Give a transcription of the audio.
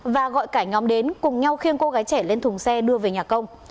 và gọi cả nhóm đến cùng nhau khiêng cô gái trẻ lên thùng xe đưa về nhà công